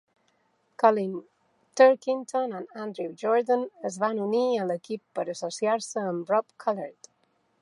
Colin Turkington i Andrew Jordan es van unir a l'equip per associar-se amb Rob Collard.